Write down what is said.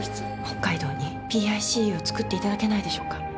「北海道にＰＩＣＵを作っていただけないでしょうか？」